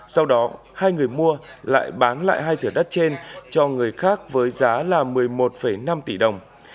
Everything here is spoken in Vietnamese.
sau đó hai người mua lại bán lại hai thửa đất trên cho người khác với giá là một mươi một năm tỷ đồng